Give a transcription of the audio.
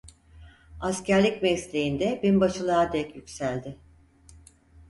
Askerlik mesleğinde binbaşılığa dek yükseldi.